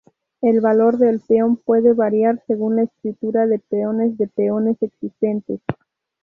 El valor del peón puede variar según la estructura de peones de peones existentes.